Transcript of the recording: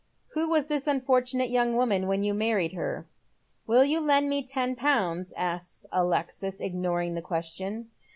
" Who was this unfortunate young woman when you married her ?"" Will you lend me ten pounds ?" asks Alexis, ignoring the question.